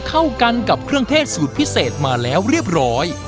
เข้ากันกับเครื่องเทศสูตรพิเศษมาแล้วเรียบร้อย